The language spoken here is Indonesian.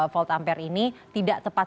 volt ampere ini tidak tepat